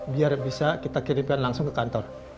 biar bisa kita kirimkan langsung ke kantor